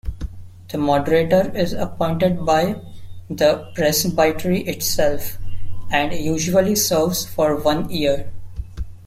The Moderator is appointed by the Presbytery itself and usually serves for one year.